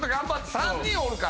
３人おるから。